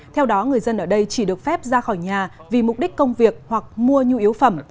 theo đó người dân ở đây chỉ được phép ra khỏi nhà vì mục đích công việc hoặc mua nhu yếu phẩm